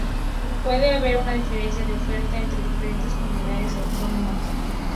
Puede haber una diferencia de oferta entre diferentes Comunidades Autónomas.